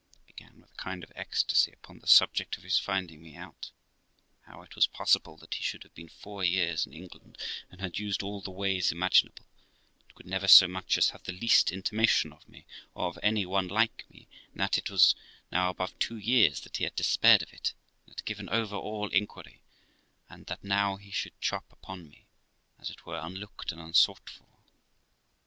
He began with a kind of an ecstasy upon the subject of his finding me out ; how it was possible that he should have been four years in England, and had used all the ways imaginable, and could never so much as have the least intimation of me, or of any one like me; and that it was now above two years that he had despaired of it, and had given over all inquiry ; and that now he should chop upon me, as it were, unlocked and unsought for.